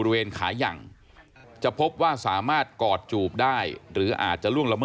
ร้องร้องร้องร้องร้องร้องร้องร้องร้อง